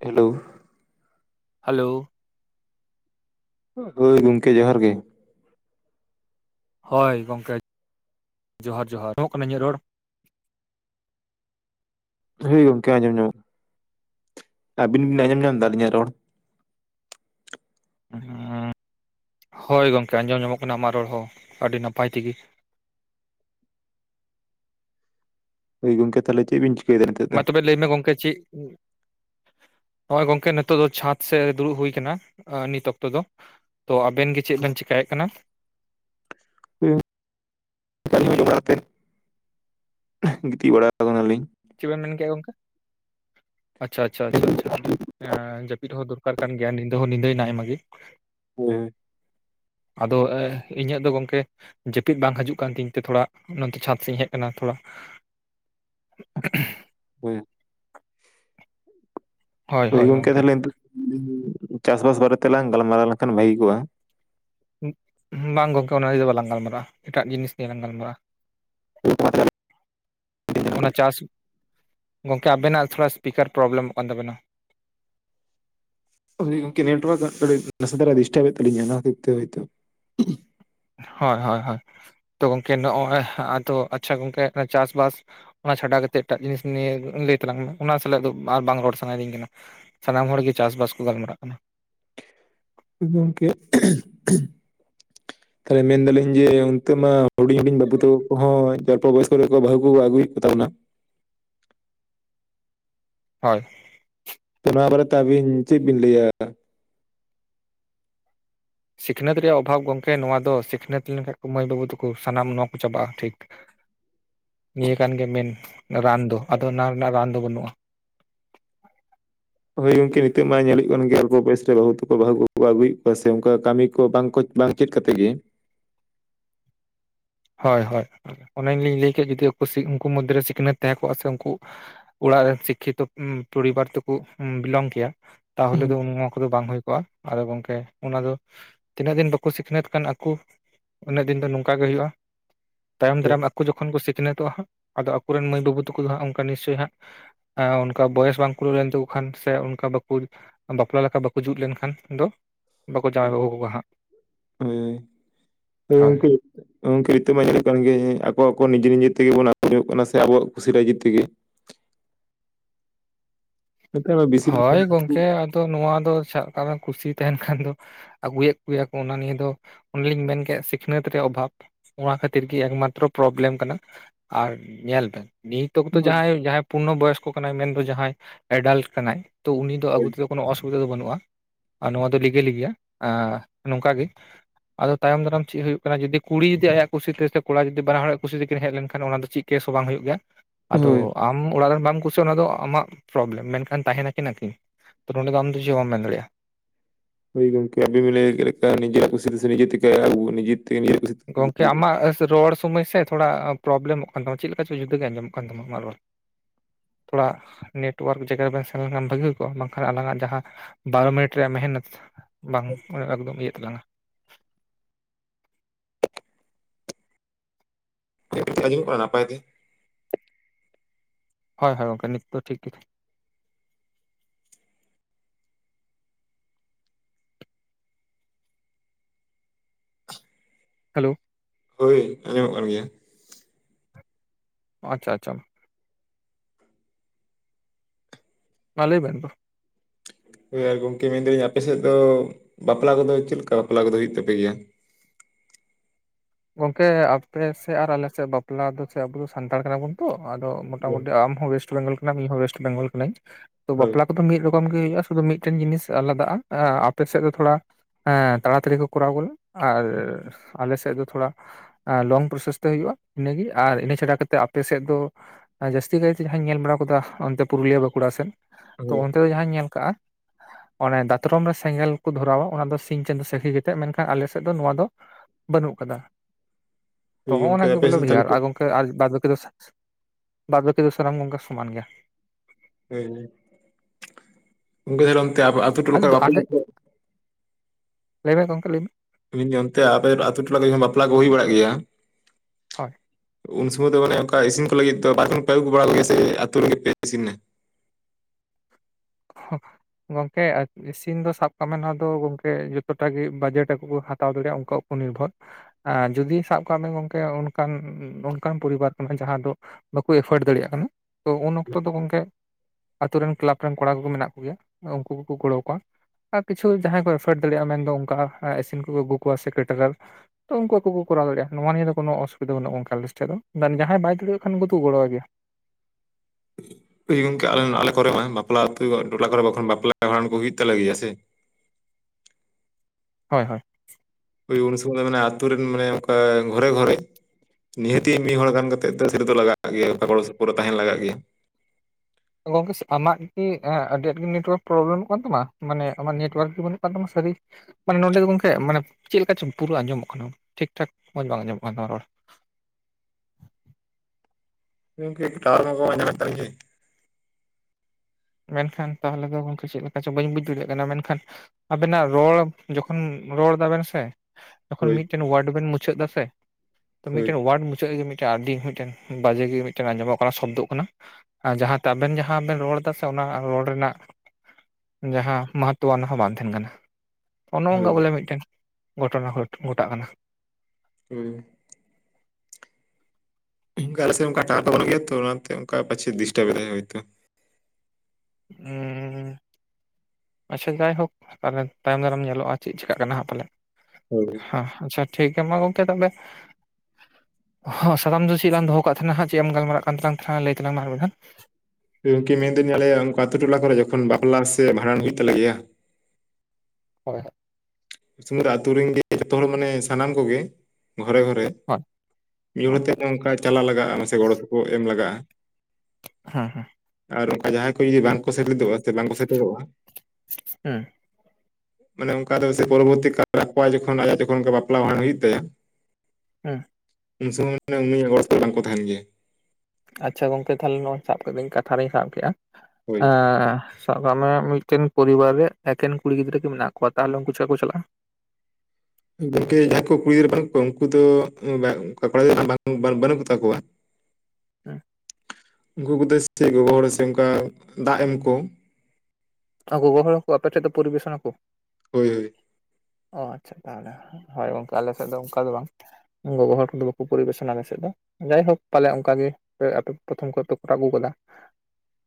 Hello hello ᱦᱳᱭ ᱜᱚᱢᱠᱮ ᱡᱚᱦᱟᱨ ᱜᱮ ᱦᱳᱭ ᱜᱚᱢᱠᱮ ᱡᱚᱦᱟᱨᱼᱡᱚᱦᱟᱨ ᱟᱡᱚᱢᱟᱜ ᱠᱟᱱᱟ ᱤᱧᱟᱹᱜ ᱨᱚᱲ ᱦᱳᱭ ᱜᱚᱝᱠᱮ ᱟᱸᱡᱚᱢ ᱧᱟᱢ ᱟᱹᱵᱤᱱ ᱵᱤᱱ ᱟᱸᱡᱚᱢ ᱧᱟᱢ ᱮᱫᱟ ᱟᱹᱞᱤᱧᱟᱜ ᱨᱚᱲ [unintelligible] ᱦᱳᱭ ᱜᱚᱝᱠᱮ ᱟᱸᱡᱚᱢ ᱧᱟᱢᱚᱜ ᱠᱟᱱᱟ ᱟᱢᱟᱜ ᱨᱚᱲ ᱦᱚᱸ ᱟᱹᱰᱤ ᱱᱟᱯᱟᱭ ᱛᱮᱜᱮ ᱦᱳᱭ ᱜᱚᱝᱠᱮ ᱛᱟᱦᱞᱮ ᱪᱮ ᱵᱤᱱ ᱪᱤᱤᱠᱟᱹᱭᱮᱫᱟ ᱱᱤᱛᱟᱜ ᱫᱚ ᱞᱟᱹᱭᱢ ᱢᱮ ᱜᱚᱝᱠᱮ ᱪᱮᱫ ᱦᱚᱭ ᱜᱚᱝᱠᱮ ᱱᱤᱛᱚᱜ ᱫᱚ ᱪᱷᱟᱸᱫᱽ ᱥᱮᱫ ᱫᱩᱲᱩᱵ ᱦᱳᱭ ᱟᱠᱟᱱᱟ ᱱᱤᱛ ᱚᱠᱛᱚ ᱫᱚ᱾ ᱛᱚ ᱟᱵᱮᱱ ᱜᱮ ᱪᱮᱫ ᱵᱮᱱ ᱪᱮᱤᱠᱟᱭᱮᱫ ᱠᱟᱱᱟ [unintelligible] ᱜᱤᱛᱤᱡ ᱵᱟᱲᱟ ᱟᱠᱟᱱᱟᱞᱤᱧ ᱪᱮᱫ ᱵᱮ ᱮᱢᱱ ᱠᱮᱜᱼᱟ ᱜᱚᱝᱠᱮ ᱟᱪᱪᱷᱟ ᱟᱪᱪᱷᱟ ᱟᱪᱷᱟ ᱟᱪᱪᱷᱟ ᱟᱹᱰᱤᱸ ᱡᱟᱹᱯᱤᱫ ᱦᱚᱸᱚᱸ ᱫᱚᱨᱠᱟᱨ ᱫᱚᱨᱠᱟᱨ ᱠᱟᱱ ᱜᱮᱭᱟ ᱧᱤᱫᱟᱹ ᱦᱚᱸ ᱧᱤᱫᱟᱹᱭᱮᱱᱟ ᱟᱭᱢᱟ ᱜᱮ ᱦᱩᱸ ᱟᱫᱚ ᱤᱧᱟᱹᱜ ᱫᱚ ᱜᱚᱢᱠᱮ᱾ ᱡᱟᱹᱯᱤᱫ ᱵᱟᱝ ᱦᱤᱡᱩᱜ ᱠᱟᱱ ᱛᱤᱧ ᱛᱮ ᱛᱷᱚᱲᱟ ᱱᱛᱮ ᱪᱷᱟᱸᱫᱽ ᱥᱮᱫ ᱤᱧ ᱦᱮᱡ ᱟᱠᱟᱱᱟ ᱛᱷᱚᱲᱟ [unintelligible] ᱦᱚᱭ ᱦᱳᱭ ᱦᱳᱭ ᱜᱚᱢᱠᱮ ᱛᱟᱦᱚᱞᱮ ᱪᱟᱥᱵᱟᱥ ᱵᱟᱨᱮᱛᱮᱞᱟᱝ ᱜᱟᱞᱢᱟᱨᱟᱣ ᱞᱮᱱᱠᱷᱟᱱ ᱵᱷᱟᱹᱜᱤ ᱠᱚᱜᱼᱟ᱾ ᱵᱟᱝ ᱜᱚᱝᱠᱮ ᱚᱱᱟ ᱫᱚ ᱵᱟᱞᱟᱝ ᱜᱟᱞᱢᱟᱨᱟᱜᱼᱟ ᱮᱴᱟᱜ ᱡᱤᱱᱤᱥ ᱱᱤᱭᱮᱞᱟᱝ ᱜᱟᱞᱢᱟᱨᱟᱜᱼᱟ᱾ ᱚᱱᱟ ᱪᱟᱥ, ᱜᱚᱝᱠᱮ ᱟᱵᱮᱱᱟᱜ ᱛᱷᱚᱲᱟ ᱥᱯᱤᱠᱟᱨ ᱯᱨᱚᱵᱞᱮᱢᱚᱜ ᱠᱟᱱ ᱛᱟᱵᱮᱱᱟ [unintelligible] ᱦᱚᱭ ᱜᱚᱢᱠᱮ ᱱᱮᱴ ᱳᱣᱟᱨᱥ ᱱᱟᱥᱮ ᱫᱟᱨᱟ ᱰᱤᱥᱴᱟᱨᱱ ᱮ ᱛᱟᱞᱤᱧᱟ ᱚᱱᱟ ᱦᱚᱛᱮᱡ ᱛᱮ ᱦᱳᱭ ᱛᱚ ᱦᱳᱭ ᱦᱳᱭ ᱦᱳᱭ ᱛᱚ ᱜᱚᱢᱠᱮ ᱱᱚᱜᱼᱚᱭ ᱟᱫᱚ ᱟᱪᱪᱷᱟ ᱜᱚᱝᱠᱮ ᱪᱟᱥᱵᱟᱥ ᱚᱱᱟ ᱪᱷᱟᱰᱟ ᱠᱟᱛᱮᱫ ᱮᱴᱟᱜ ᱡᱤᱱᱤᱥ ᱱᱤᱭᱟᱹ ᱞᱟᱹᱭ ᱛᱟᱞᱟᱝ ᱢᱮ ᱚᱱᱟ ᱥᱟᱞᱟᱜ ᱫᱚ ᱟᱨ ᱵᱟᱝ ᱨᱚᱲ ᱥᱟᱱᱟᱭᱤᱫᱤᱧ ᱠᱟᱱᱟ ᱥᱟᱱᱟᱢ ᱦᱚᱲ ᱜᱮ ᱪᱟᱥ ᱵᱟᱥ ᱠᱚ ᱜᱟᱞᱢᱟᱨᱟᱜ ᱠᱟᱱᱟ᱾ ᱮ ᱫᱚᱢᱠᱤ [unintelligible] ᱛᱟᱦᱚᱞᱮ ᱢᱮᱱ ᱫᱟᱞᱤᱧ ᱡᱮ ᱚᱱᱛᱮ ᱢᱟ ᱦᱩᱰᱤᱧ ᱦᱩᱰᱤᱧ ᱵᱟᱹᱵᱩ ᱛᱟᱠᱚᱦᱚᱸ ᱡᱚᱞᱯᱚ ᱵᱚᱭᱚᱥ ᱠᱚᱨᱮ ᱵᱟᱹᱦᱩ ᱠᱚ ᱟᱹᱜᱩᱭᱮᱫ ᱠᱚᱛᱟᱵᱚᱱᱟ ᱦᱳᱭ ᱚᱱᱟ ᱵᱟᱨᱮ ᱛᱮ ᱟᱵᱤᱱ ᱪᱮᱫ ᱵᱤᱱ ᱞᱟᱹᱭ ᱭᱟ ᱥᱤᱠᱷᱱᱟᱹᱛ ᱨᱮᱭᱟᱜ ᱚᱵᱷᱟᱵᱽ ᱜᱚᱝᱠᱮ ᱱᱚᱣᱟ ᱫᱚ ᱥᱤᱠᱷᱱᱟᱹᱛ ᱞᱮᱱᱠᱷᱟ ᱢᱟᱹᱭ ᱵᱟᱹᱵᱩ ᱛᱟᱠᱚ ᱥᱟᱱᱟᱢ ᱱᱚᱣᱟ ᱠᱚ ᱪᱟᱵᱟᱜᱼᱟ ᱴᱷᱤᱠ ᱦᱮᱸ ᱱᱤᱭᱟᱹ ᱠᱟᱱ ᱜᱮᱭᱟ ᱢᱮᱱ ᱨᱟᱱ ᱫᱚ ᱟᱫᱚ ᱚᱱᱟ ᱨᱮᱱᱟᱜ ᱨᱟᱱ ᱫᱚ ᱵᱟᱹᱱᱩᱜᱼᱟ᱾ ᱦᱳᱭ ᱜᱚᱝᱠᱮ ᱱᱤᱛᱚᱜᱜ ᱢᱟ ᱧᱮᱞᱚᱜ ᱠᱟᱱ ᱜᱮᱭᱟ ᱚᱞᱯᱚ ᱵᱚᱭᱮᱥ ᱨᱮ ᱵᱟᱹᱦᱩ ᱛᱮᱠᱚ ᱵᱟᱦᱩ ᱠᱚ ᱟᱹᱜᱩᱭᱮᱫ ᱠᱚᱣᱟ ᱥᱮ ᱚᱱᱠᱟ ᱠᱟᱹᱢᱤ ᱠᱚ ᱵᱟᱝ ᱠᱚ ᱵᱟᱝ ᱪᱮᱫ ᱠᱟᱛᱮᱫ ᱜᱮ ᱦᱳᱭ ᱦᱳᱭ ᱚᱱᱟᱞᱤᱧ ᱞᱟᱹᱭ ᱠᱮᱫ ᱡᱚᱫᱤ ᱩᱱᱠᱩ ᱢᱚᱫᱽᱫᱷᱮᱨᱮ ᱥᱤᱠᱷᱱᱟᱹᱛ ᱛᱟᱦᱮᱸ ᱠᱚᱜᱼᱟ ᱥᱮ ᱩᱱᱠᱩ ᱚᱲᱟᱜ ᱨᱮᱱ ᱥᱤᱠᱠᱷᱤᱛᱚ ᱯᱚᱨᱤᱵᱟᱨ ᱛᱮᱠᱚ ᱵᱤᱞᱚᱝ ᱠᱮᱭᱟ ᱾ ᱛᱟᱦᱚᱞᱮ ᱫᱚ ᱩᱱ ᱱᱚᱣᱟ ᱠᱚᱫᱚ ᱵᱟᱝ ᱦᱩᱭ ᱠᱚᱜᱼᱟ ᱟᱨ ᱜᱚᱝᱠᱮ ᱚᱱᱟ ᱫᱚ ᱛᱤᱱᱟᱹᱜ ᱫᱤᱱ ᱵᱟᱠᱚ ᱥᱤᱠᱷᱱᱟᱹᱛ ᱠᱟᱱ ᱟᱠᱩ ᱩᱱᱟᱹᱜ ᱫᱤᱱ ᱫᱚ ᱱᱚᱝᱠᱟ ᱜᱮ ᱦᱳᱭᱼᱟ᱾ ᱛᱟᱭᱚᱢ ᱫᱟᱨᱟᱢ ᱟᱠᱚ ᱡᱚᱠᱷᱚᱱ ᱠᱚ ᱥᱤᱠᱷᱱᱟᱛᱚᱜᱼᱟ ᱦᱟᱸᱜ, ᱟᱫᱚ ᱟᱠᱚᱨᱮᱱ ᱢᱟᱹᱭ ᱵᱟᱹᱵᱩ ᱛᱟᱠᱚ ᱫᱚ ᱦᱟᱸᱜ ᱚᱱᱠᱟ ᱱᱤᱥᱪᱳᱭ ᱦᱟᱸᱜ ᱦᱮ ᱚᱱᱠᱟ ᱵᱚᱭᱮᱥ ᱵᱟᱝ ᱠᱩᱲᱟᱹᱣ ᱞᱮᱱ ᱛᱟᱠᱚ ᱠᱷᱟᱱ ᱥᱮ ᱚᱱᱠᱟ ᱵᱟᱠᱚ ᱵᱟᱯᱞᱟ ᱞᱮᱠᱟ ᱵᱟᱠᱚ ᱡᱩᱛ ᱞᱮᱱᱠᱷᱟᱱ ᱫᱚ ᱵᱟᱠᱚ ᱡᱟᱶᱟᱭ ᱠᱟᱠᱚ ᱠᱚᱣᱟ ᱦᱟᱸᱜ ᱦᱳᱭ ᱦᱳᱭ [unintelligible] ᱜᱚᱝᱠᱮ ᱱᱤᱛᱳᱜ ᱢᱟ ᱧᱮᱞᱚᱜ ᱠᱟᱱᱜᱮ, ᱟᱠᱚ ᱟᱠᱚ ᱱᱤᱡᱮ ᱱᱤᱡᱮ ᱛᱮᱜᱮ ᱵᱚᱱ ᱟᱯᱩᱧᱼᱚᱜ ᱠᱟᱱᱟ, ᱥᱮ ᱟᱵᱚᱣᱟᱜ ᱠᱩᱥᱤ ᱨᱟᱡᱤ ᱛᱮᱜᱮ ᱱᱮᱛᱟᱨ ᱢᱟ ᱵᱮᱥᱤᱨ ᱵᱷᱟᱜᱽ ᱦᱳᱭ ᱟᱹᱛᱩ ᱜᱚᱝᱠᱮ ᱟᱫᱚ ᱱᱚᱣᱟ ᱫᱚ ᱥᱟᱵ ᱠᱟᱜ ᱢᱮ ᱠᱩᱥᱤ ᱛᱟᱦᱮᱱ ᱠᱷᱟᱱ ᱫᱚ ᱟᱹᱜᱩᱭᱮᱫ ᱠᱚᱜᱮᱭᱟᱠᱚ ᱚᱱᱟ ᱱᱤᱭᱟᱹ ᱫᱚ ᱚᱱᱮ ᱞᱤᱧ ᱢᱮᱱᱠᱮᱜ ᱥᱤᱠᱷᱱᱟᱹᱛ ᱨᱮ ᱚᱵᱷᱟᱵᱽ ᱚᱱᱟ ᱠᱷᱟᱹᱛᱤᱨ ᱜᱮ ᱮᱠᱢᱟᱛᱨᱚ ᱯᱨᱚᱵᱞᱮᱢ ᱠᱟᱱᱟ ᱟᱨ ᱧᱮᱞ ᱵᱮᱱ ᱱᱤᱛ ᱚᱠᱛᱚ ᱡᱟᱦᱟᱸᱭ ᱡᱟᱦᱟᱸᱭ ᱯᱩᱨᱱᱚ ᱵᱚᱭᱚᱥᱠᱚ ᱠᱟᱱᱟᱭ ᱢᱮᱱᱫᱚ ᱡᱟᱦᱟᱸᱭ ᱮᱰᱟᱞᱴ ᱠᱟᱱᱟᱭ ᱛ ᱩᱱᱤ ᱫᱚ ᱟᱜᱩ ᱦᱳᱭ ᱛᱮᱫᱚ ᱠᱳᱱᱚ ᱚᱥᱩᱵᱤᱫᱷᱟᱼᱼ ᱫᱚ ᱵᱟᱹᱱᱩᱜᱼᱟ ᱱᱚᱣᱟ ᱫᱚ ᱞᱤᱜᱮᱞᱤ ᱜᱮᱭᱟ ᱮᱸᱻ ᱱᱚᱝᱠᱟᱼᱜᱮ ᱟᱫᱚ ᱛᱟᱭᱚᱢ ᱫᱟᱨᱟᱢ ᱪᱮᱫ ᱦᱩᱭᱩᱜ ᱠᱟᱱᱟ, ᱡᱩᱫᱤ ᱠᱩᱲᱤ ᱡᱩᱫᱤ ᱟᱭᱟᱜ ᱠᱩᱥᱤᱛᱮ ᱥᱮ ᱠᱚᱲᱟ ᱡᱩᱫᱤ ᱵᱟᱱᱟ ᱦᱚᱲᱟᱜ ᱠᱩᱥᱤ ᱛᱮᱠᱤᱱ ᱦᱮᱡ ᱞᱮᱱᱠᱷᱟᱱ ᱚᱱᱟ ᱫᱚ ᱪᱤᱜ ᱠᱮᱥ ᱦᱚᱸ ᱵᱟᱝ ᱦᱳᱭᱳᱜ ᱜᱮᱭᱟ᱾ ᱟᱫᱚ ᱦᱳᱭ ᱟᱢ ᱚᱲᱟᱜ ᱨᱮᱱ ᱵᱟᱢ ᱠᱩᱥᱤᱭᱟᱜᱼᱟ ᱚᱱᱟ ᱫᱚ ᱟᱢᱟᱜ ᱯᱨᱚᱵᱞᱮᱢ, ᱢᱮᱱᱠᱷᱟᱱ ᱛᱟᱦᱮᱸᱱᱟ ᱠᱤᱱ ᱟᱠᱤᱱ ᱛᱚ ᱱᱚᱸᱰᱮ ᱫᱚ ᱟᱢ ᱫᱚ ᱪᱮᱫ ᱦᱚᱸ ᱵᱟᱢ ᱢᱮᱱ ᱫᱟᱲᱮᱭᱟᱜᱼᱟ᱾ ᱦᱳᱭ ᱜᱚᱢᱠᱮ ᱟᱵᱤᱱ ᱵᱤᱱ ᱞᱟᱹᱭ ᱠᱮᱜ ᱞᱮᱠᱟ, ᱱᱤᱡᱮᱨᱟᱜ ᱠᱩᱥᱤ ᱛᱮᱥᱮ ᱱᱤᱡᱮᱛᱮᱜᱮ ᱟᱜᱩ ᱱᱤᱡᱮᱛᱮ ᱱᱤᱡᱮ ᱠᱷᱩᱥᱤ ᱜᱚᱝᱠᱮ ᱟᱢᱟᱜ ᱨᱚᱲ ᱥᱚᱢᱚᱭ ᱥᱮ ᱛᱷᱚᱲᱟ ᱯᱨᱚᱵᱽᱞᱮᱢᱚᱜ ᱠᱟᱱ ᱛᱟᱢᱟ, ᱪᱮᱫ ᱞᱮᱠᱟ ᱪᱚ ᱡᱩᱫᱟᱹ ᱜᱮ ᱟᱸᱡᱚᱢᱚᱜ ᱠᱟᱱ ᱛᱟᱢᱟ ᱟᱢᱟᱜ ᱨᱚᱲ᱾ ᱛᱷᱚᱲᱟ ᱱᱮᱴᱚᱣᱟᱨᱠ ᱡᱟᱭᱜᱟ ᱨᱮᱵᱮᱱ ᱥᱮᱱ ᱞᱮᱱᱠᱷᱟᱱ ᱵᱷᱟᱜᱤ ᱦᱩᱭ ᱠᱚᱜᱼᱟ ᱵᱟᱝᱠᱷᱟᱱ ᱟᱞᱟᱝᱟᱜ ᱡᱟᱦᱟᱸ ᱵᱟᱨᱚ ᱢᱤᱱᱤᱴ ᱨᱮᱭᱟᱜ ᱢᱮᱦᱱᱚᱛ ᱵᱟᱝ ᱮᱠᱫᱚᱢ ᱤᱭᱟᱹᱜ ᱛᱟᱞᱟᱝᱼᱟ ᱾ [unintelligible] ᱠᱚ ᱱᱟᱯᱟᱭ ᱛᱮ ᱦᱳᱭᱻᱦᱳᱭ ᱜᱚᱝᱠᱮ ᱱᱤᱛᱳᱜ ᱴᱷᱤᱠ ᱴᱷᱤᱠ ᱦᱮᱞᱳ ᱦᱳᱭ ᱟᱸᱡᱚᱢᱚᱜ ᱠᱟᱱ ᱜᱮᱭᱟ᱾ ᱟᱪᱷᱟᱻᱟᱪᱷᱟ᱾ ᱢᱟ ᱞᱟᱹᱭ ᱵᱮᱱ ᱫᱚ ᱦᱳᱭ ᱟᱨ ᱜᱚᱝᱠᱮ ᱢᱮᱱᱫᱟᱞᱤᱧ ᱟᱯᱮ ᱥᱮᱫ ᱫᱚ ᱵᱟᱯᱞᱟ ᱠᱚᱫᱚ ᱪᱮᱫ ᱞᱮᱠᱟ ᱵᱟᱯᱞᱟ ᱠᱚᱫᱚ ᱦᱩᱭᱩᱜ ᱛᱟᱯᱮ ᱜᱮᱭᱟ? ᱜᱚᱝᱠᱮ ᱟᱯᱮᱥᱮᱜ ᱟᱨ ᱟᱞᱮᱥᱮᱜ ᱵᱟᱯᱞᱟ ᱫᱚ ᱪᱮᱜ, ᱟᱵᱚ ᱫᱚ ᱥᱟᱱᱛᱟᱲ ᱠᱟᱱᱟᱵᱚᱱ ᱛᱚ ᱟᱫᱚ ᱢᱚᱴᱟᱢᱩᱴᱤ ᱟᱢᱦᱚᱸ ᱵᱮᱥ ᱼᱼᱴ ᱵᱮᱝᱜᱚᱞ ᱠᱟᱱᱟᱢ ᱤᱧᱦᱚᱸ ᱚᱸᱭᱮᱥᱴ ᱵᱮᱝᱜᱚᱞ ᱠᱟᱹᱱᱟᱹᱧ ᱾ [inaudible] ᱛᱚ ᱵᱟᱯᱞᱟ ᱠᱚᱫᱚ ᱢᱤᱫ ᱨᱚᱠᱚᱢ ᱜᱮ ᱦᱩᱭᱩᱜᱼᱟ, ᱥᱩᱫᱩ ᱢᱤᱫᱴᱮᱱ ᱡᱤᱱᱤᱥ ᱟᱞᱟᱫᱟᱜᱼᱟ ᱟᱯᱮ ᱥᱮᱜ ᱫᱚ ᱛᱷᱚᱲᱟ ᱦᱮᱸ ᱛᱟᱲᱟᱛᱟᱲᱤ ᱠᱚ ᱠᱚᱨᱟᱣ ᱵᱚᱞᱮ ᱟᱨ ᱟᱞᱮᱥᱮᱫ ᱫᱚ ᱛᱷᱚᱲᱟ ᱞᱚᱝ ᱯᱨᱚᱥᱮᱥ ᱛᱮ ᱦᱩᱭᱩᱜᱭᱼᱟ᱾ ᱤᱱᱟᱹᱜᱮ ᱟᱨ ᱤᱱᱟᱹ ᱪᱷᱟᱰᱟ ᱠᱟᱛᱮᱜ ᱟᱯᱮ ᱥᱮᱫ ᱫᱚ ᱡᱟᱹᱥᱛᱤ ᱠᱟᱭᱛᱮ ᱡᱟᱦᱟᱸᱧ ᱧᱮᱞ ᱵᱟᱲᱟ ᱠᱟᱫᱟ ᱚᱱᱛᱮ ᱯᱩᱨᱩᱞᱤᱭᱟᱹ ᱵᱟᱸᱠᱩᱲᱟ ᱥᱮᱱ, ᱛᱚ ᱦᱳᱭ ᱚᱱᱛᱮ ᱫᱚ ᱡᱟᱦᱟᱸᱟᱧ ᱧᱮᱞ ᱠᱟᱜᱼᱟ ᱚᱱᱮ ᱫᱟᱛᱨᱚᱢ ᱨᱮ ᱥᱮᱸᱜᱮᱞ ᱠᱚ ᱫᱷᱚᱨᱟᱣᱟ ᱚᱱᱟ ᱫᱚ, ᱥᱤᱧ ᱪᱟᱸᱫᱳ ᱥᱟᱹᱠᱷᱤ ᱠᱟᱛᱮᱜ ᱢᱮᱱᱠᱷᱟᱱ ᱟᱞᱮ ᱥᱮᱜ ᱫᱚ ᱱᱚᱣᱟ ᱫᱚ ᱵᱟᱹᱱᱩᱜ ᱠᱟᱫᱟ, ᱛᱚ ᱦᱳᱭ ᱦᱚᱜᱼᱱᱟ ᱜᱚᱝᱠᱮ ᱜᱮ ᱟᱯᱮ ᱵᱚᱞᱮ ᱥᱮᱫ ᱛᱟᱦᱚᱞᱮ ᱵᱷᱟᱨ ᱪᱮᱫ ᱟᱜᱚᱢ ᱟᱨ ᱵᱟᱫᱽ ᱵᱟᱹᱠᱤ ᱫᱚ ᱵᱟᱫᱽ ᱵᱟᱹᱠᱤ ᱫᱚ ᱥᱟᱱᱟᱢ ᱜᱚᱢᱠᱮ ᱥᱚᱢᱟᱱ ᱜᱮᱭᱟ᱾ ᱦᱮᱸ ᱩᱱᱠᱟ ᱫᱷᱚᱢ ᱛᱮ [unintelligible] ᱟᱞᱮ ᱫᱚ ᱟᱞᱮ [unintelligible] ᱞᱟᱹᱭᱢᱮ ᱜᱚᱢᱠᱮ ᱞᱟᱹᱭᱢᱮ ᱛᱮᱦᱮᱧ ᱚᱱᱛᱮ ᱟᱯᱮ ᱟᱛᱳ ᱴᱚᱞᱟ ᱨᱮ ᱵᱟᱯᱞᱟ ᱠᱚ ᱦᱩᱭ ᱵᱟᱲᱟᱜ ᱜᱮᱭᱟ ᱦᱳᱭ [unintelligible] ᱩᱱ ᱥᱩᱢᱚᱭ ᱫᱚ ᱢᱟᱱᱮ ᱚᱱᱠᱟ ᱤᱥᱤᱱ ᱠᱚ ᱞᱟᱹᱜᱤᱫ ᱫᱚ ᱵᱟᱨᱦᱮ ᱠᱷᱚᱱ ᱯᱮ ᱟᱹᱜᱩ ᱵᱟᱲᱟ ᱠᱚᱣᱟ, ᱥᱮ ᱟᱹᱛᱩᱳ ᱞᱟᱹᱜᱤᱫ ᱯᱮ ᱤᱥᱤᱱᱟ [unintelligible] ᱜᱚᱝᱠᱮ ᱤᱥᱤᱱ ᱫᱚ ᱥᱟᱵ ᱠᱟᱜ ᱢᱮ ᱱᱳᱣᱟ ᱫᱚ ᱜᱚᱝᱠᱮ ᱡᱚᱛᱚᱴᱟ ᱜᱮ ᱵᱟᱡᱮᱴ ᱟᱠᱚ ᱠᱚ ᱦᱟᱛᱟᱣ ᱫᱟᱲᱮᱭᱟᱜᱼᱟ ᱚᱱᱠᱟ ᱚᱱᱤᱨᱵᱷᱚᱨ ᱡᱩᱫᱤ ᱥᱟᱵ ᱠᱟᱜ ᱢᱮ ᱜᱚᱝᱠᱮ ᱚᱱᱠᱟᱱ ᱚᱱᱠᱟᱱ ᱯᱚᱨᱤᱵᱟᱨ ᱠᱟᱱᱟ ᱡᱟᱦᱟᱸ ᱫᱚ ᱵᱟᱠᱚ ᱮᱯᱷᱳᱴ ᱫᱟᱲᱮᱭᱟᱜ ᱠᱟᱱᱟ ᱛᱚ ᱩᱱ ᱚᱠᱛᱚ ᱫᱚ ᱜᱚᱝᱠᱮ ᱟᱛᱳ ᱨᱮᱱ ᱠᱮᱞᱟᱵᱽ ᱨᱮᱱ ᱠᱚᱲᱟ ᱠᱚᱠᱚ ᱢᱮᱱᱟᱜ ᱠᱚᱜᱮᱭᱟ ᱩᱱᱠᱩ ᱠᱚᱠᱚ ᱜᱚᱲᱚ ᱠᱚᱣᱟ ᱾ ᱟᱨ ᱠᱤᱪᱷᱩ ᱡᱟᱦᱟᱸᱭ ᱠᱚ ᱮᱯᱷᱳᱨᱴ ᱫᱟᱲᱮᱭᱟᱜᱼᱟ, ᱢᱮᱱᱫᱚ ᱚᱱᱠᱟᱼᱟ, ᱤᱥᱤᱱ ᱠᱚ ᱟᱹᱜᱩ ᱠᱚᱣᱟ ᱥᱮ ᱠᱮᱴᱠᱟᱨ ᱛᱚ ᱩᱱᱠᱩ ᱟᱠᱚ ᱠᱚᱨᱟᱣ ᱫᱟᱲᱮᱭᱟᱜᱼᱟ ᱱᱚᱣᱟ ᱱᱤᱭᱟᱹ ᱫᱚ ᱠᱚᱱᱳ ᱚᱥᱩᱵᱤᱫᱟ ᱵᱟᱹᱱᱩᱜᱼᱟ ᱜᱚᱢᱠᱮ ᱟᱞᱮᱴᱷᱮ ᱫᱚ ᱡᱟᱦᱟᱸᱭ ᱵᱟᱭ ᱫᱟᱲᱮᱭᱟᱜ ᱠᱷᱟᱱ ᱩᱱᱠᱚ ᱜᱚᱲᱚ ᱟ ᱜᱮᱭᱟ ᱦᱳᱭ ᱜᱚᱝᱠᱮ ᱟᱞᱮ ᱟᱞᱮ ᱠᱚᱨᱮ ᱢᱟ ᱵᱟᱯᱞᱟ ᱟᱹᱛᱩ ᱴᱚᱞᱟ ᱠᱚᱨᱮ ᱵᱟᱠᱷᱟᱱ ᱵᱟᱯᱞᱟ ᱵᱷᱟᱸᱟᱱ ᱠᱚ ᱦᱩᱭᱩᱜ ᱛᱟᱞᱮ ᱜᱮᱭᱟ ᱥᱮ ᱦᱳᱭ ᱦᱳᱭ᱾ ᱦᱳᱭ ᱩᱱ ᱥᱚᱢᱚᱭ ᱫᱚ ᱢᱟᱱᱮ ᱟᱛᱩ ᱨᱮᱱ ᱢᱟᱱᱮ ᱚᱱᱠᱟ ᱜᱷᱚᱨᱮ ᱜᱷᱚᱨᱮ ᱱᱤᱦᱟᱹᱛ ᱜᱮ ᱢᱤᱫ ᱦᱚᱲ ᱜᱟᱱ ᱠᱟᱛᱮᱫ ᱫᱚ ᱥᱟᱹᱨᱤ ᱫᱚ ᱞᱟᱜᱟᱜ ᱜᱮᱭᱟᱠᱟ ᱜᱚᱲ ᱥᱚᱯᱩᱨ ᱨᱮ ᱛᱟᱦᱮᱱ ᱞᱟᱜᱟᱜ ᱜᱮᱭᱟ᱾ ᱜᱚᱝᱠᱮ ᱟᱢᱟᱜ ᱜᱤ ᱟᱰᱤ ᱟᱸᱴ ᱜᱮ ᱱᱮᱴᱚᱣᱟᱨᱠ ᱯᱨᱚᱵᱞᱮᱢᱚᱜ ᱠᱟᱱ ᱛᱟᱢᱟ? ᱢᱟᱱᱮ ᱟᱢᱟᱜ ᱱᱮᱴᱣᱟᱨᱠᱤ ᱵᱟᱹᱱᱩᱜ ᱠᱟᱱ ᱛᱟᱢᱟ ᱥᱟᱹᱨᱤ ᱢᱟᱱᱮ ᱱᱚᱰᱮ ᱫᱚ ᱜᱚᱢᱠᱮ ᱢᱟᱱᱮ ᱪᱮᱫ ᱞᱮᱠᱟ ᱪᱚᱝ ᱯᱩᱨᱟᱹ ᱟᱸᱡᱚᱢᱚᱜ ᱠᱟᱱᱟ᱾ ᱴᱷᱤᱠ ᱴᱷᱟᱠ ᱢᱚᱸᱡᱽ ᱵᱟᱝ ᱟᱸᱡᱚᱢᱚᱜ ᱠᱟᱱᱟ ᱛᱟᱢᱟ ᱨᱚᱲ᱾ ᱤᱱᱠᱟᱹ ᱜᱮ ᱴᱟᱣᱣᱟᱨ ᱠᱚ ᱚᱱᱠᱟ ᱵᱟᱭ ᱧᱟᱢ ᱮᱫ ᱛᱟᱹᱞᱤᱧ ᱟᱭ᱾ ᱢᱮᱱᱠᱷᱟᱱ ᱛᱟᱦᱚᱞᱮ ᱫᱚ ᱜᱚᱝᱠᱮ ᱪᱮᱫ ᱞᱮᱠᱟ ᱪᱚ ᱵᱟᱹᱧ ᱵᱩᱡ ᱫᱟᱲᱮᱭᱟᱜ ᱠᱟᱱᱟ ᱢᱮᱱᱠᱷᱟᱱ ᱟᱵᱮᱱᱟᱜ ᱨᱚᱲ ᱡᱚᱠᱷᱚᱱ ᱨᱚᱲ ᱫᱟᱵᱮᱱ ᱥᱮ ᱡᱚᱠᱷᱚᱱ ᱦᱳᱭ ᱢᱤᱫᱴᱮᱱ ᱣᱟᱨᱰ ᱵᱮᱱ ᱢᱩᱪᱟᱹᱜ ᱫᱟᱥᱮ ᱛᱚ ᱦᱳᱭ ᱢᱤᱫᱴᱮᱱ ᱣᱟᱨᱰ ᱢᱩᱪᱟᱹᱫ ᱨᱮᱜᱮ ᱟᱰᱤ ᱵᱟᱡᱮ ᱜᱮ ᱢᱤᱫᱴᱮᱱ ᱟᱸᱡᱚᱢᱚᱜ ᱠᱟᱱᱟ᱾ ᱥᱚᱵᱫᱚᱜ ᱠᱟᱱᱟ ᱟᱨ ᱡᱟᱦᱟᱸᱛᱮ ᱟᱵᱮᱱ ᱡᱟᱦᱟᱸ ᱵᱮᱱ ᱨᱚᱲ ᱮᱫᱟ ᱚᱱᱟ ᱨᱚᱲ ᱨᱮᱱᱟᱜ ᱡᱟᱦᱟᱸ ᱢᱟᱦᱚᱛᱛᱚ ᱚᱱᱟ ᱦᱚᱸ ᱵᱟᱝ ᱛᱟᱦᱮᱱ ᱠᱟᱱᱟ᱾ ᱚᱱᱚ ᱚᱝᱠᱟ ᱦᱳᱭ ᱵᱚᱞᱮ ᱢᱤᱫᱴᱮᱱ ᱜᱷᱚᱴᱚᱱᱟ ᱜᱷᱚᱴᱟᱜ ᱠᱟᱱᱟ᱾ ᱦᱮᱸ᱾ ᱤᱱᱠᱟᱹ ᱟᱞᱮ ᱥᱮᱫ ᱢᱟ ᱴᱟᱣᱟᱨ ᱠᱚ ᱵᱟᱱᱩᱜ ᱜᱮᱭᱟ ᱛᱳ ᱚᱱᱟᱛᱮ ᱚᱱᱠᱟ ᱯᱟᱪᱮ ᱰᱤᱥᱴᱟᱰ ᱮᱫᱟᱭ ᱦᱚᱭ ᱛᱚ᱾ ᱦᱮᱸ ᱟᱪᱪᱷᱟ ᱡᱟᱭᱦᱳᱠ ᱛᱟᱦᱚᱞᱮ ᱛᱟᱭᱚᱢ ᱫᱟᱨᱟᱢ ᱧᱮᱞᱚᱜᱼᱟ᱾ ᱪᱮᱫ ᱪᱮᱠᱟᱹᱜ ᱠᱟᱱᱟ ᱦᱟᱸᱜ ᱯᱟᱞᱮᱱ᱾ ᱦᱳᱭ᱾ ᱟᱪᱪᱷᱟ ᱴᱷᱤᱠ ᱜᱮᱭᱟ ᱢᱟ ᱜᱚᱝᱠᱮ ᱛᱟᱦᱚᱞᱮ ᱥᱟᱛᱟᱢ ᱫᱚ ᱪᱮᱫ ᱞᱟᱝ ᱫᱚᱦᱚᱣ ᱠᱟᱫ ᱛᱟᱦᱮᱱᱟ ᱦᱸᱟᱜ ᱪᱮᱫ ᱮᱢ ᱜᱟᱞᱢᱟᱨᱟᱜ ᱠᱟᱱ ᱛᱟᱞᱟᱝ ᱛᱟᱦᱮᱱᱟ ᱞᱟᱹᱭ ᱛᱟᱞᱟᱝ ᱢᱮ ᱟᱨ ᱢᱤᱫ ᱫᱷᱟᱣ᱾ ᱜᱚᱝᱠᱤ ᱢᱮᱱᱫᱟᱹᱧ ᱟᱞᱮᱭᱟᱜ ᱚᱱᱠᱟ ᱟᱛᱩ ᱴᱚᱞᱟ ᱠᱚᱨᱮ ᱡᱚᱠᱷᱚᱱ ᱵᱟᱯᱞᱟ ᱥᱮ ᱵᱷᱟᱸᱰᱟᱱ ᱦᱩᱭᱩᱜ ᱛᱟᱞᱮ ᱜᱮᱭᱟ ᱦᱳᱭ᱾ [unintelligible] ᱟᱛᱚ ᱨᱮᱱ ᱜᱮ ᱡᱚᱛᱚ ᱦᱚᱲ ᱢᱟᱱᱮ ᱥᱟᱱᱟᱢ ᱠᱚᱜᱮ ᱜᱷᱚᱨᱮ ᱜᱷᱚᱨᱮ ᱦᱳᱭ ᱢᱤᱫ ᱦᱚᱲ ᱦᱳᱭ ᱠᱟᱛᱮ ᱚᱝᱠᱟ ᱪᱟᱞᱟᱜ ᱞᱟᱜᱟᱜᱼᱟ᱾ ᱱᱟᱥᱮ ᱜᱚᱲᱚ ᱥᱚᱯᱚᱦᱚᱫ ᱮᱢ ᱞᱟᱜᱟᱜᱼᱟ᱾ ᱦᱮᱸ ᱦᱮᱸ᱾ ᱟᱨ ᱚᱱᱠᱟ ᱡᱟᱦᱟᱸᱭ ᱠᱚ ᱡᱩᱫᱤ ᱵᱟᱝᱠᱚ ᱥᱮᱞᱮᱫᱚᱜᱼᱟ ᱥᱮ ᱵᱟᱝᱠᱚ ᱥᱮᱴᱮᱨᱚᱜᱼᱟ ᱦᱩᱸ ᱢᱟᱱᱮ ᱚᱱᱠᱟ ᱫᱚ ᱯᱚᱨᱚᱵᱚᱨᱛᱤ ᱠᱟᱞ ᱨᱮ ᱟᱠᱚᱣᱟᱜ ᱡᱚᱠᱷᱚᱱ ᱟᱭᱟᱜ ᱡᱚᱠᱷᱚᱱ ᱵᱟᱯᱞᱟ ᱦᱩᱭᱩᱜ ᱛᱟᱭᱟ ᱦᱮᱸ᱾ ᱩᱱ ᱥᱢᱚᱭ ᱩᱱᱤᱭᱟᱜ ᱜᱚᱲᱚᱥᱳᱯᱚᱦᱚᱜ ᱵᱟᱝ ᱠᱚ ᱛᱟᱦᱮᱱ ᱜᱮᱭᱟ᱾ ᱟᱪᱪᱷᱟ ᱜᱚᱝᱠᱮ ᱛᱟᱦᱞᱮ ᱱᱚᱣᱟ ᱥᱟᱵ ᱠᱟᱹᱫᱟᱹᱧ ᱠᱟᱛᱷᱟ ᱨᱤᱧ ᱥᱟᱵ ᱠᱮᱜᱼᱟ ᱦᱳᱭ ᱥᱟᱵ ᱠᱟᱜ ᱢᱮ ᱢᱤᱫᱴᱮᱱ ᱯᱚᱨᱤᱵᱟᱨ ᱨᱮ ᱮᱠᱮᱱ ᱠᱩᱲᱤ ᱜᱤᱫᱽᱨᱟᱹ ᱜᱮ ᱢᱮᱱᱟᱜ ᱠᱚᱣᱟ ᱛᱟᱦᱚᱞᱮ ᱩᱱᱠᱩ ᱪᱮᱠᱟ ᱠᱚ ᱪᱟᱞᱟᱜᱼᱟ? ᱜᱚᱝᱠᱮ ᱡᱟᱦᱟᱸᱭ ᱠᱩ ᱠᱩᱲᱤ ᱜᱤᱫᱽᱨᱟᱹ ᱵᱟᱱᱩᱜ ᱠᱚᱣᱟ ᱩᱱᱠᱩ ᱫᱚ [unintelligible] ᱠᱚᱲᱟ ᱜᱤᱫᱽᱨᱟᱹ [unintelligible] ᱵᱟᱝ ᱵᱟᱱᱩᱠ ᱠᱚ ᱛᱟᱠᱚᱣᱟ᱾ ᱩᱱᱠᱩ ᱠᱚᱫᱚ ᱥᱮᱪᱮᱜ ᱜᱚᱜᱚ ᱦᱚᱲ ᱥᱮ ᱚᱱᱠᱟ ᱫᱟᱜ ᱮᱢᱠᱚ ᱟ ᱜᱚᱜᱳ ᱦᱚᱲ ᱦᱚᱠᱚ ᱟᱯᱮᱴᱷᱮᱜ ᱫᱚ ᱯᱚᱨᱤᱵᱮᱥᱚᱱ ᱟᱠᱚ? ᱦᱳᱭᱻᱦᱳᱭᱻ ᱚᱸᱻ ᱟᱪᱪᱷᱟ ᱛᱟᱦᱚᱞᱮ ᱦᱳᱭ ᱜᱚᱝᱠᱮ ᱟᱞᱮ ᱥᱮᱫ ᱫᱚ ᱚᱱᱠᱟ ᱫᱚ ᱵᱟᱝ᱾ ᱜᱚᱜᱚ ᱦᱚᱲ ᱠᱚ ᱫᱚ ᱵᱟᱠᱚ ᱯᱚᱨᱤᱵᱮᱥᱱᱟ ᱟᱞᱮ ᱥᱮᱫ ᱫᱚ᱾ ᱡᱟᱭᱦᱳᱠ ᱯᱟᱞᱮ ᱚᱱᱠᱟᱜᱮ ᱟᱯᱮ ᱯᱨᱚᱛᱷᱚᱢ ᱠᱷᱚᱡ ᱯᱮ ᱠᱚᱨᱟᱣ ᱟᱹᱜᱩ ᱟᱠᱟᱫᱟ᱾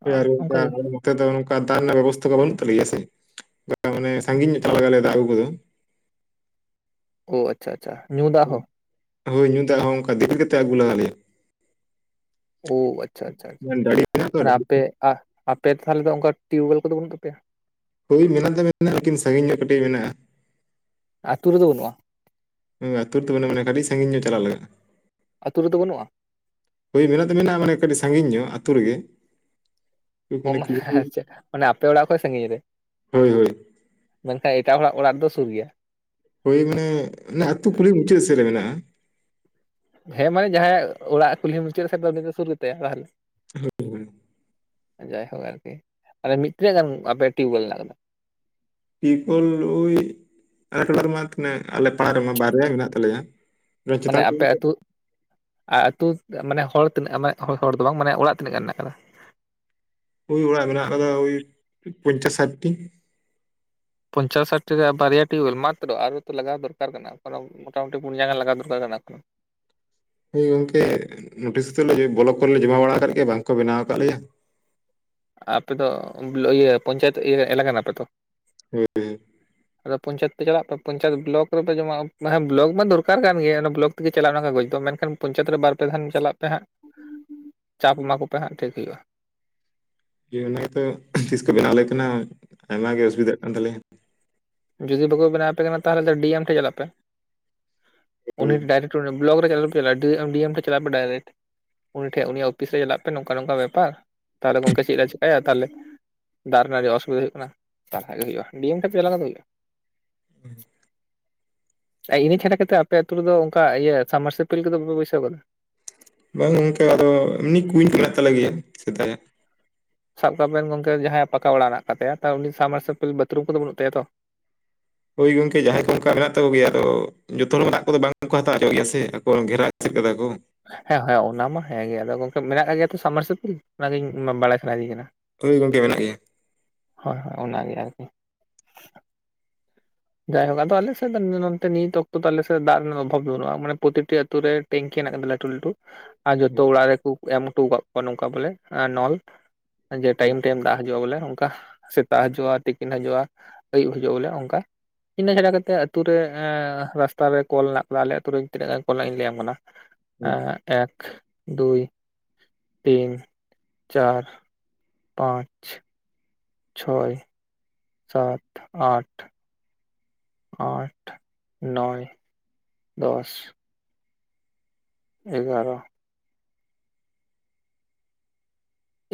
ᱥᱮ [unintelligible] ᱱᱚᱛᱮ ᱫᱚ ᱱᱚᱝᱠᱟ ᱫᱟᱜ ᱨᱮᱱᱟᱜ ᱵᱮᱵᱚᱥᱛᱷᱟ ᱠᱚ ᱵᱟᱹᱱᱩᱜ ᱛᱟᱞᱮ ᱜᱮᱭᱟᱥᱮ᱾ ᱢᱟᱱᱮ ᱥᱟᱸᱜᱤᱧ ᱧᱚᱜ ᱪᱟᱞᱟᱜ ᱞᱟᱜᱟᱣ ᱞᱮᱭᱟ ᱫᱟᱜ ᱟᱹᱜᱩ ᱠᱚᱫᱚ᱾ ᱚ ᱟᱪᱪᱷᱟ ᱟᱪᱪᱷᱟ ᱧᱩ ᱫᱟᱜ ᱦᱚᱸ? ᱦᱳᱭ ᱧᱩ ᱫᱟᱜ ᱦᱚᱸ ᱚᱱᱠᱟ ᱫᱤᱯᱤᱞ ᱠᱟᱛᱮᱜ ᱟᱹᱜᱩ ᱞᱟᱜᱟᱣ ᱞᱮᱭᱟ᱾ ᱳ ᱟᱪᱪᱷᱟ ᱟᱪᱪᱷᱟ ᱟᱪᱪᱷᱟ ᱰᱟᱹᱰᱤ ᱢᱮᱱᱟᱜ ᱛᱚ ᱢᱟᱱᱮ ᱟᱯᱮ ᱟᱦ ᱟᱯᱮ ᱛᱟᱦᱚᱞᱮ ᱫᱚ ᱚᱱᱠᱟ ᱴᱤᱭᱩᱵᱽᱚᱭᱮᱞ ᱠᱚᱫᱚ ᱵᱟᱹᱱᱩᱜ ᱛᱟᱯᱮᱭᱟ? ᱦᱳᱭ ᱢᱮᱱᱟᱜ ᱫᱚ ᱢᱮᱱᱟᱜᱼᱟ, ᱞᱮᱠᱤᱱ ᱥᱟᱺᱜᱤᱧ ᱧᱚᱜ ᱠᱟᱹᱴᱤᱡ ᱢᱮᱱᱟᱜᱼᱟ᱾ ᱟᱛᱩ ᱨᱮᱫᱚ ᱵᱟᱹᱱᱩᱜᱼᱟ? ᱦᱩᱸ ᱟᱛᱩ ᱨᱮᱫᱚ ᱵᱟᱹᱱᱩᱜ-ᱟ ᱾ ᱢᱟᱱᱮ ᱟᱰᱤ ᱥᱟᱺᱜᱤᱧ ᱧᱚᱜ ᱪᱟᱞᱟᱣ ᱞᱟᱜᱟᱜ-ᱟ᱾ ᱟᱹᱛᱩ ᱨᱮᱫᱚ ᱵᱟᱹᱱᱩᱜᱼᱟ? ᱦᱳᱭ ᱢᱮᱱᱟᱜ ᱫᱚ ᱢᱮᱱᱟᱜᱼᱟ ᱢᱟᱱᱮ ᱠᱟᱹᱴᱤᱡ ᱥᱟᱺᱜᱤᱧ ᱧᱚᱜ ᱟᱹᱛᱩ ᱨᱮᱜᱮ᱾ ᱚ ᱢᱟᱱᱮ ᱟᱪᱪᱷᱟ ᱢᱟᱱᱮ ᱟᱯᱮ ᱚᱲᱟᱜ ᱠᱷᱚᱡ ᱥᱟᱺᱜᱤᱧ ᱨᱮ? ᱦᱳᱭ ᱦᱳᱭ ᱢᱮᱱᱠᱷᱟᱡ ᱮᱴᱟᱜ ᱦᱚᱲᱟᱜ ᱚᱲᱟᱜ ᱨᱮ ᱫᱚ ᱥᱩᱨ ᱜᱮᱭᱟ? ᱦᱳᱭ ᱢᱟᱱᱮ ᱟᱹᱛᱩ ᱠᱩᱞᱦᱤ ᱢᱩᱪᱟᱹᱫ ᱥᱮᱫ ᱨᱮ ᱢᱮᱱᱟᱜᱼᱟ᱾ ᱦᱮᱸ ᱢᱟᱱᱮ ᱡᱟᱦᱟᱸᱭᱟᱜ ᱚᱲᱟᱜ ᱠᱩᱞᱦᱤ ᱢᱩᱪᱟᱹᱫ ᱥᱮᱡ ᱫᱚ ᱥᱩᱨ ᱜᱮᱛᱟᱭᱟ ᱛᱟᱦᱚᱞᱮ [unintelligible] ᱡᱟᱭᱦᱳᱠ ᱟᱨᱠᱤ, ᱢᱟᱱᱮ ᱢᱤᱫ ᱛᱤᱱᱟᱹᱜ ᱜᱟᱱ ᱟᱯᱮ ᱴᱤᱭᱩᱵᱭᱮᱞ ᱢᱮᱱᱟᱜ ᱟᱠᱟᱫᱟ? ᱯᱤᱯᱚᱞ ᱳᱭ ᱟᱞᱮ ᱴᱚᱞᱟ ᱨᱮᱢᱟ ᱛᱤᱱᱟᱹᱜ ᱟᱞᱮ ᱯᱟᱲᱟ ᱨᱮᱢᱟ ᱵᱟᱨᱭᱟ ᱢᱮᱱᱟᱜ ᱛᱟᱞᱮᱭᱟ᱾ ᱢᱟᱱᱮ ᱪᱮᱛᱟᱱ ᱟᱯᱮ ᱟᱹᱛᱩ ᱟᱨ ᱟᱛᱩ ᱢᱟᱱᱮ ᱦᱚᱲ ᱛᱤᱱᱟᱹᱜ ᱦᱚᱲ ᱦᱚᱲ ᱦᱚᱲ ᱫᱚ ᱵᱟᱝ ᱢᱟᱱᱮ ᱚᱲᱟᱜ ᱛᱤᱱᱟᱹᱜ ᱜᱟᱱ ᱢᱮᱱᱟᱜ ᱟᱠᱟᱫᱟ? ᱳᱭᱻ ᱚᱲᱟᱜ ᱢᱮᱱᱟᱜ ᱠᱟᱫᱟ ᱳᱭᱻ ᱯᱚᱧᱪᱟᱥ ᱥᱟᱴᱴᱤ᱾ ᱯᱚᱧᱪᱟᱥ ᱥᱟᱴᱴᱤ ᱨᱮ ᱵᱟᱨᱭᱟ ᱴᱤᱭᱩᱵᱽᱭᱮᱞ ᱢᱟᱛᱨᱚ ᱟᱨᱦᱚ ᱛᱚ ᱞᱟᱜᱟᱣ ᱫᱚᱨᱠᱟᱨ ᱠᱟᱱᱟ᱾ [unintelligible] ᱢᱚᱴᱟᱢᱩᱴᱤ ᱯᱩᱱᱭᱟ ᱜᱟᱱ ᱞᱟᱜᱟᱣ ᱫᱚᱨᱠᱟᱨ ᱠᱟᱱᱟ ᱮᱠᱷᱚᱱᱚ᱾ ᱦᱳᱭ ᱜᱚᱝᱠᱮ ᱱᱳᱴᱤᱥ ᱠᱚᱫᱚ ᱵᱞᱚᱠ ᱠᱚᱨᱮᱞᱮ ᱡᱚᱢᱟ ᱵᱟᱲᱟ ᱟᱠᱟᱫ ᱜᱮᱭᱟ ᱵᱟᱝᱠᱚ ᱵᱮᱱᱟᱣ ᱟᱠᱟᱫ ᱞᱮᱭᱟ᱾ ᱟᱯᱮ ᱫᱚ ᱤᱭᱟᱹ ᱯᱚᱧᱪᱟᱭᱮᱛ ᱮᱞᱟᱠᱟ ᱠᱟᱱᱟᱯᱮ ᱛᱚ? ᱦᱮᱸ ᱟᱫᱚ ᱯᱚᱧᱪᱟᱭᱮᱛ ᱯᱮ ᱪᱟᱞᱟᱜ ᱯᱮ ᱯᱚᱧᱪᱟᱭᱮᱛ ᱵᱞᱚᱠ ᱨᱮᱯᱮ ᱡᱚᱢᱟ ᱦᱮᱸ ᱵᱞᱚᱠ ᱢᱟ ᱫᱚᱨᱠᱟᱨ ᱠᱟᱱ ᱜᱮᱭᱟ ᱚᱱᱟ ᱵᱞᱚᱠ ᱪᱟᱞᱟᱜᱼᱟ ᱚᱱᱟ ᱠᱟᱜᱚᱡ ᱫᱚ ᱢᱮᱱᱠᱷᱟᱱ ᱯᱧᱪᱟᱭᱮᱛ ᱨᱮ ᱵᱟᱨ ᱯᱮ ᱫᱟᱱ ᱪᱟᱞᱟᱜ ᱯᱮ ᱦᱟᱸᱜ [inaudible] ᱪᱟᱯ ᱮᱢᱟ ᱠᱚᱯᱮ ᱦᱟᱸᱜ ᱴᱷᱤᱠ ᱦᱩᱭᱩᱜᱼᱟ ᱾ ᱤᱭᱟᱹ ᱚᱱᱟ ᱜᱮᱛᱚ ᱛᱤᱥ ᱠᱚ ᱵᱮᱱᱟᱣ ᱟᱞᱮ ᱠᱟᱱᱟ ᱟᱭᱢᱟ ᱜᱮ ᱚᱥᱩᱵᱤᱫᱷᱟᱜ ᱠᱟᱱ ᱛᱟᱞᱮᱭᱟ᱾ ᱡᱩᱫᱤ ᱵᱟᱠᱚ ᱵᱮᱱᱟᱣ ᱟᱯᱮ ᱠᱟᱱᱟ ᱛᱟᱦᱚᱞᱮ ᱫᱚ ᱰᱤ ᱮᱢ ᱴᱷᱮᱱ ᱪᱟᱞᱟᱜ ᱯᱮ᱾ ᱩᱱᱤ ᱦᱳᱭ ᱰᱟᱭᱨᱮᱠᱴ ᱵᱞᱚᱠ ᱨᱮ ᱟᱞᱚ ᱯᱮ ᱪᱟᱞᱟᱜᱼᱟ ᱰᱤ ᱰᱤ ᱮᱢ ᱴᱷᱮᱱ ᱪᱟᱞᱟᱜ ᱯᱮ ᱰᱟᱭᱨᱮᱠᱴ᱾ ᱩᱱᱤ ᱴᱷᱮᱡ ᱩᱱᱤᱭᱟᱜ ᱚᱯᱷᱤᱥ ᱨᱮ ᱪᱟᱞᱟᱜ ᱯᱮ ᱱᱚᱝᱠᱟ ᱱᱚᱝᱠᱟ ᱵᱮᱯᱟᱨ, ᱛᱟᱦᱚᱞᱮ ᱜᱚᱝᱠᱮ ᱪᱮᱫ ᱞᱮ ᱪᱮᱠᱟᱭᱟ? ᱛᱟᱦᱚᱞᱮ ᱫᱟᱜ ᱨᱮᱭᱟᱜ ᱚᱥᱩᱵᱤᱫᱷᱟ ᱦᱩᱭᱩᱜ ᱛᱟᱦᱚᱞᱮ ᱜᱮ ᱦᱩᱭᱩᱜᱼᱟ ᱰᱤ ᱮᱢ ᱴᱷᱮᱱ ᱪᱟᱞᱟᱣ ᱞᱮᱱ ᱠᱷᱟᱱ ᱦᱩᱭᱩᱜᱼᱟ᱾ ᱟᱨ ᱤᱱᱟᱹ ᱪᱷᱟᱰᱟ ᱠᱟᱛᱮᱫ ᱟᱯᱮ ᱟᱛᱩ ᱨᱮᱫᱚ ᱚᱱᱠᱟ ᱤᱭᱟᱹ ᱥᱟᱵᱢᱟᱨᱥ ᱤᱯᱤᱞ ᱠᱚᱫᱚ ᱵᱟᱯᱮ ᱵᱟᱹᱭᱥᱟᱹᱣ ᱟᱠᱟᱫᱟ? ᱵᱟᱝ ᱜᱚᱝᱠᱟ ᱟᱫᱚ ᱮᱢᱱᱤ ᱠᱩᱧ ᱢᱮᱱᱟᱜ ᱛᱟᱞᱮ ᱜᱮᱭᱟ ᱥᱮᱫᱟᱭ-ᱟᱜ᱾ ᱥᱟᱵ ᱠᱟᱜ ᱢᱮᱱ ᱜᱚᱝᱠᱮ ᱡᱟᱦᱟᱸᱭᱟᱜ ᱯᱟᱠᱟ ᱚᱲᱟᱜ ᱢᱮᱱᱟᱜ ᱠᱟᱜ ᱛᱟᱭᱟ ᱛᱚ ᱩᱱᱤ ᱥᱟᱵᱢᱟᱨᱥᱟᱞᱯᱤᱞ ᱵᱟᱛᱷᱨᱩᱢ ᱠᱚᱫᱚ ᱵᱟᱹᱱᱩᱜ ᱛᱟᱭᱟ ᱛᱚ ᱦᱳᱭ ᱜᱚᱝᱠᱮ ᱡᱟᱦᱟᱸᱭ ᱠᱚ ᱚᱱᱠᱟ ᱢᱮᱱᱟᱜ ᱛᱟᱠᱚ ᱜᱮᱭᱟ, ᱟᱫᱚ ᱡᱚᱛᱚ ᱦᱚᱲ ᱫᱟᱜ ᱠᱚᱫᱚ ᱵᱟᱝᱠᱚ ᱦᱟᱛᱟᱣ ᱚᱪᱚᱜ ᱜᱮᱭᱟ ᱥᱮ ᱟᱠᱚ ᱜᱷᱮᱨᱟᱣ ᱮᱥᱮᱫ ᱠᱟᱫᱟ ᱠᱚ᱾ ᱦᱮᱸ ᱦᱮᱸ ᱚᱱᱟ ᱢᱟ ᱦᱮᱸ ᱜᱮ ᱟᱫᱚ ᱜᱚᱝᱠᱮ ᱢᱮᱱᱟᱜ ᱠᱟᱜ ᱜᱮᱭᱟ ᱛᱚ ᱥᱟᱵᱢᱟᱨᱥᱟᱞᱤᱯᱤᱞ ᱚᱱᱟᱜᱤ ᱵᱟᱲᱟᱭ ᱥᱟᱱᱟᱭᱤᱫᱤᱧ ᱠᱟᱱᱟ ᱦᱳᱭ ᱜᱚᱝᱠᱮ ᱢᱮᱱᱟᱜ ᱜᱮᱭᱟ᱾ ᱦᱳᱭ ᱦᱳᱭ ᱚᱱᱟᱜᱮ ᱟᱨᱠᱤ ᱡᱟᱭᱦᱳᱠ ᱟᱫᱚ ᱟᱞᱮᱥᱮᱫ ᱫᱚ ᱱᱚᱱᱛᱮ ᱱᱤᱛ ᱚᱠᱛᱚ ᱟᱞᱮᱥᱮᱫ ᱫᱟᱜ ᱨᱮᱱᱟᱜ ᱚᱵᱷᱟᱵ ᱵᱟᱹᱱᱩᱜᱼᱟ ᱾ ᱢᱟᱱᱮ ᱯᱨᱚᱛᱤᱴᱤ ᱟᱛᱩ ᱨᱮ, ᱴᱮᱝᱠᱮ ᱦᱮᱱᱟᱜ ᱠᱟᱫᱟ ᱞᱟᱹᱴᱩ ᱞᱟᱹᱴᱩ ᱾ ᱟᱨ ᱡᱚᱛᱚ ᱩᱲᱟᱜ ᱨᱮᱠᱩ ᱮᱢ ᱦᱩᱴᱩ ᱠᱟᱜ ᱠᱚᱣᱟ ᱱᱚᱝᱠᱟ ᱵᱚᱞᱮ ᱮᱱ ᱱᱚᱞ ᱡᱮ ᱦᱳᱭ ᱴᱟᱭᱤᱢ ᱴᱟᱭᱤᱢ ᱫᱟᱜ ᱦᱟᱡᱩᱜᱼᱟ ᱵᱚᱞᱮ ᱚᱝᱠᱷᱟ ᱥᱮᱛᱟᱜ ᱦᱟᱡᱩᱜᱼᱟ ᱛᱤᱠᱤᱱ ᱦᱟᱡᱩᱜᱼᱟ ᱟᱹᱭᱩᱵ ᱦᱟᱡᱩᱜᱼᱟ ᱵᱚᱞᱮ ᱚᱝᱠᱟ ᱾ ᱤᱱᱟᱹ ᱜᱷᱟᱰᱟ ᱠᱟᱛᱮᱜ ᱟᱹᱛᱩ ᱨᱮ ᱨᱟᱥᱛᱟ ᱨᱮ ᱠᱚᱞ [unintelligible] ᱟᱞᱮ ᱟᱹᱛᱩ ᱨᱮ ᱛᱤᱱᱟᱹᱜ ᱜᱟᱱ ᱠᱚᱞ ᱤᱧ ᱞᱟᱹᱭᱟᱢ ᱠᱟᱱᱟ ᱾ ᱦᱳᱭ ᱮᱸ ᱮᱠ, ᱫᱩᱭ, ᱛᱤᱱ, ᱪᱟᱨ, ᱯᱟᱸᱪ ᱪᱷᱚᱭ ᱥᱟᱛ ᱟᱴ ᱟᱴ ᱱᱚᱭ ᱫᱚᱥ ᱮᱜᱟᱨᱚ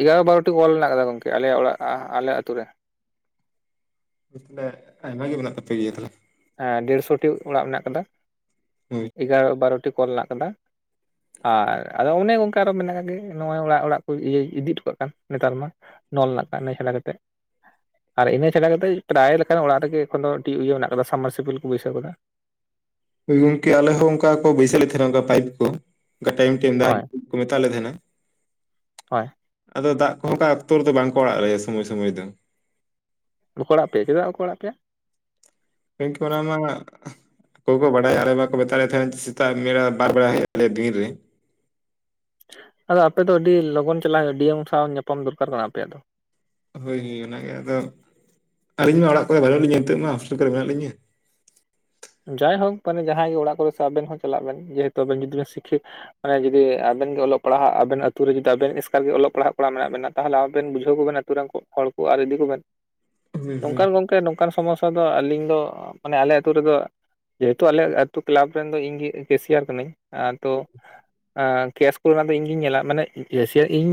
ᱤᱜᱟᱨᱚ ᱵᱟᱨᱳᱴᱤ ᱠᱚᱞ ᱢᱮᱱᱟᱜ ᱠᱟᱫᱟ ᱜᱚᱝᱠᱮ ᱟᱞᱮ ᱚᱲᱟᱜ ᱟᱞᱮ ᱟ ᱟᱹᱛᱩ ᱨᱮ ᱾ ᱩᱫᱢᱮ ᱟᱭᱢᱟ ᱜᱤ ᱢᱮᱱᱟᱜ ᱛᱟᱯᱮ ᱜᱮᱭᱟ ᱛᱷᱟᱦᱮ᱾ ᱫᱮᱲᱥᱚᱴᱤ ᱚᱲᱟᱜ ᱢᱮᱱᱟᱜ ᱠᱟᱫᱟ ᱾ ᱦᱳᱭ ᱤᱜᱟᱨᱚ ᱵᱟᱨᱚᱴᱤ ᱠᱚᱞ ᱢᱮᱱᱟᱜ ᱠᱟᱫᱟ ᱾ ᱟᱨ ᱟᱫᱚ ᱚᱱᱮ ᱚᱝᱠᱮ ᱟᱨᱚ ᱢᱮᱱᱟᱜ ᱜᱤ ᱱᱚᱣᱟ ᱚᱲᱟᱜ ᱚᱲᱟᱜ ᱠᱚ ᱤᱭᱟᱹ ᱤᱫᱤ ᱚᱴᱚᱠᱟᱜ ᱠᱟᱱ ᱱᱮᱛᱟᱨ ᱢᱟ ᱾ ᱱᱚᱞ ᱱᱟᱜ ᱠᱟᱜ ᱱᱟᱹᱭ ᱦᱟᱞᱟ ᱠᱟᱛᱮᱜ ᱾ ᱟᱨ ᱤᱱᱟᱹ ᱪᱷᱟᱰᱟ ᱠᱟᱛᱮᱡ ᱯᱨᱟᱭ ᱞᱮᱠᱟᱱ ᱚᱲᱟᱜ ᱨᱮᱜᱮ ᱮᱠᱷᱚᱱ ᱫᱚ ᱴᱤᱭᱟ ᱤᱭᱟᱹ ᱢᱮᱱᱟᱜ ᱠᱟᱫᱟ ᱥᱟᱵᱢᱟᱨᱥᱤᱵᱤᱞ ᱠᱚ ᱵᱟᱹᱭᱥᱟᱹᱣ ᱠᱟᱫᱟ ᱾ ᱦᱳᱭ ᱜᱚᱝᱠᱮ ᱟᱞᱮ ᱦᱚᱸ ᱚᱱᱠᱟ ᱠᱚ ᱵᱟᱹᱭᱥᱟᱹᱣ ᱞᱮᱛ ᱛᱟᱦᱮᱱᱟ ᱚᱱᱠᱟ ᱯᱟᱭᱤᱯ ᱠᱩ ᱾ [unintelligible] ᱴᱟᱭᱤᱢ ᱴᱟᱭᱤᱢ ᱫᱟᱜ ᱦᱳᱭ ᱦᱤᱡᱩᱜ ᱠᱚ ᱢᱮᱛᱟᱜ ᱞᱮ ᱛᱟᱦᱮᱸᱱᱟ [unintelligible] ᱦᱳᱭ ᱾ ᱟᱫᱚ ᱫᱟᱜ ᱠᱚᱦᱚᱸ ᱚᱱᱠᱟ ᱚᱠᱛᱚ ᱨᱮᱫᱚ ᱵᱟᱝ ᱠᱚ ᱟᱲᱟᱜ ᱞᱮᱭᱟ ᱥᱚᱢᱚᱭ ᱥᱚᱢᱚᱭ ᱫᱚ ᱾ ᱵᱟᱠᱚ ᱟᱲᱟᱜ ᱯᱮ ᱪᱮᱫᱟᱜ ᱵᱟᱠᱚ ᱟᱲᱟᱜ ᱯᱮᱭ ᱾ [unintelligible] ᱚᱠᱚᱭ ᱠᱚ ᱵᱟᱰᱟᱭᱟ ᱟᱞᱮ ᱵᱟᱠᱚ ᱢᱮᱛᱟᱜ ᱞᱮ ᱛᱟᱦᱮᱸᱱ ᱥᱮᱛᱟᱜ ᱢᱮᱲᱟ ᱵᱟᱨ ᱵᱮᱲᱟ ᱦᱮᱭᱟᱜ ᱛᱟᱞᱮᱭᱟ ᱫᱤᱱ ᱨᱮ ᱾ ᱟᱫᱚ ᱟᱯᱮ ᱫᱚ ᱟᱹᱰᱤ ᱞᱚᱜᱚᱱ ᱪᱟᱞᱟᱝ ᱰᱤ ᱮᱢ ᱥᱟᱶ ᱧᱟᱯᱟᱢ ᱫᱩᱨᱠᱟᱨ ᱠᱟᱱᱟ ᱟᱯᱮᱭᱟᱜ ᱫᱚ ᱾ ᱦᱚᱭ ᱚᱱᱟᱜᱮ ᱟᱫᱚ [inaudible] ᱟᱹᱞᱤᱧᱢᱟ ᱚᱲᱟᱜ ᱠᱚᱨᱮ ᱵᱟᱹᱱᱩᱜ ᱞᱤᱧᱟ ᱱᱤᱛᱚᱜ ᱢᱟ ᱦᱚᱥᱴᱮᱞ ᱠᱚᱨᱮ ᱢᱮᱱᱟᱜ ᱞᱤᱧᱟᱹ ᱾ ᱡᱟᱭᱦᱚᱠ ᱯᱟᱱᱮ ᱡᱟᱦᱟᱸᱭ ᱜᱮ ᱚᱲᱟᱜ ᱠᱚᱨᱮ ᱥᱮ ᱟᱵᱤᱱ ᱦᱚᱸ ᱪᱟᱞᱟᱜ ᱵᱮᱱ ᱡᱮᱦᱮᱛᱩ ᱟᱵᱤᱱ ᱡᱩᱫᱤ ᱵᱤᱱ ᱥᱤᱠᱷᱤ ᱢᱟᱱᱮ ᱡᱩᱫᱤ ᱟᱵᱤᱱ ᱜᱮ ᱚᱞᱚᱜ ᱯᱟᱲᱦᱟᱜ ᱟᱵᱤᱱ ᱟᱹᱛᱩ ᱨᱮ ᱡᱩᱫᱤ ᱟᱵᱤᱱ ᱮᱥᱠᱟᱨ ᱜᱮ ᱚᱞᱚᱜ ᱯᱟᱲᱦᱟᱜ ᱠᱚᱲᱟ ᱢᱮᱱᱟᱜ ᱵᱤᱱᱟ ᱛᱟᱦᱚᱞᱮ ᱟᱵᱤᱱ ᱵᱩᱡᱷᱟᱹᱣ ᱠᱚ ᱵᱤᱱ ᱾ ᱛᱩᱨᱟᱝ ᱠᱩ ᱦᱚᱲ ᱠᱩ ᱟᱨ ᱤᱫᱤ ᱠᱚ [unintelligible] [inaudible] ᱱᱚᱝᱠᱟᱱ ᱜᱚᱝᱠᱮ ᱱᱚᱝᱠᱟᱱ ᱥᱚᱢᱚᱥᱥᱟ ᱫᱚ ᱟᱹᱞᱤᱧ ᱫᱚ ᱢᱟᱱᱮ ᱟᱞᱮ ᱟᱹᱛᱩ ᱨᱮᱫᱚ ᱡᱮᱦᱮᱛᱩ ᱟᱞᱮ ᱟᱹᱛᱩ ᱠᱮᱞᱟᱵᱽ ᱨᱮᱱ ᱫᱚ ᱤᱧ ᱜᱤ ᱠᱮᱥᱤᱭᱟᱨ ᱠᱟᱹᱱᱟᱹᱧ ᱟᱨ ᱛᱚ ᱟᱨ ᱠᱮᱥ ᱠᱚᱨᱮ ᱱᱟᱜ ᱫᱚ ᱤᱧ ᱜᱤᱧ ᱧᱮᱞᱟ ᱢᱟᱱᱮ [unintelligible] ᱤᱧ ᱧᱮᱞ